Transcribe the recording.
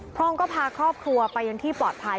พร้อมก็พาครอบครัวไปยังที่ปลอดภัย